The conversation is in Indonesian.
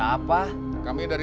bapak bisa mencoba